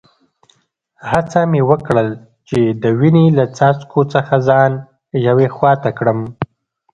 هڅه مې وکړل چي د وینې له څاڅکو څخه ځان یوې خوا ته کړم.